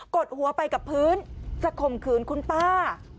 ดหัวไปกับพื้นจะข่มขืนคุณป้า